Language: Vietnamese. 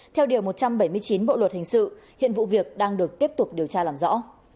theo điều một trăm bảy mươi chín bộ luật hình sự hiện vụ việc đang được tiếp tục điều tra làm rõ